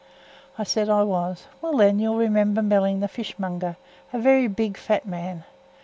I said I was. "Well then, you'll remember Melling, the fish monger, a varra big, fat man.